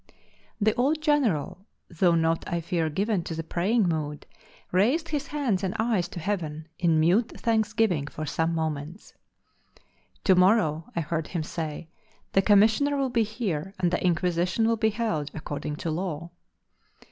The old General, though not I fear given to the praying mood, raised his hands and eyes to heaven, in mute thanksgiving for some moments. "Tomorrow," I heard him say; "the commissioner will be here, and the Inquisition will be held according to law."